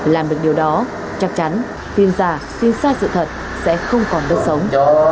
làm được điều đó chắc chắn tin giả tin sai sự thật sẽ không còn đất sống